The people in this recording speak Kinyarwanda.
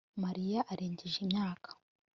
Mariya arengeje imyaka